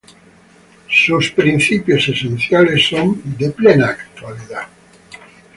Sus principios esenciales son de plena actualidad.